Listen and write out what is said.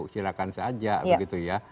silahkan saja begitu ya